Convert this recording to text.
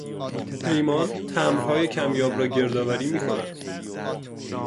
پیمان تمبرهای کمیاب را گردآوری میکند.